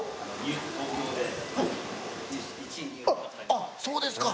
あっそうですか。